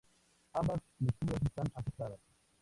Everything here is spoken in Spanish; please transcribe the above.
Ambas lecturas están aceptadas.